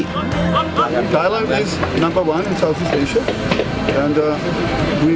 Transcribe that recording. thailand adalah nomor satu di asia tenggara